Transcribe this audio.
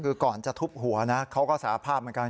คือก่อนจะทุบหัวนะเขาก็สาภาพเหมือนกัน